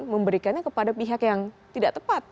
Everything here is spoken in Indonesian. memberikannya kepada pihak yang tidak tepat